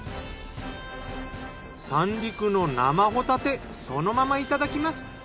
三陸の生ホタテそのままいただきます。